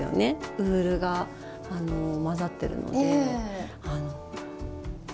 ウールが混ざってるので包まれてる